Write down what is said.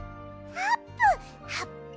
あーぷん！